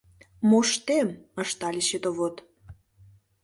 — Моштем! — ыштале счетовод.